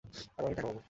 আরও অনেক টাকা পাব।